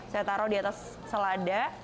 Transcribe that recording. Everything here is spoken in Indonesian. saya taruh di atas selada